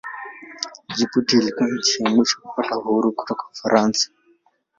Jibuti ilikuwa nchi ya mwisho kupata uhuru kutoka Ufaransa.